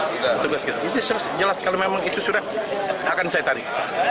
itu jelas kalau memang itu sudah akan saya tarik